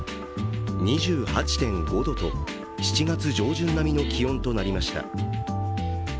２８．５度と、７月上旬並みの気温となりました。